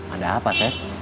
ada apa sepp